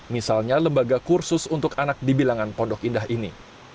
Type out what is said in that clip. misalnya lembaga kursus untuk anak dibilangan pondok indah ini